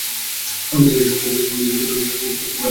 আমরা দেখিতেছি সমুদয় জগৎ কর্ম করিতেছে।